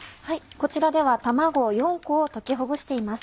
こちらでは卵４個を溶きほぐしています。